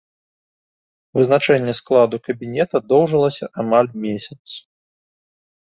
Вызначэнне складу кабінета доўжылася амаль месяц.